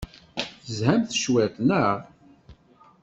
Tezhamt cwiṭ, naɣ?